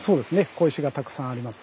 小石がたくさんあります。